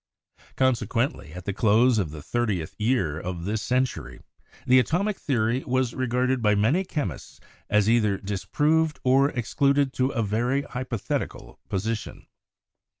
Consequently, at the close of the thirtieth year of this century the atomic theory was regarded by many chemists as either disproved or excluded to a very hypothetical position.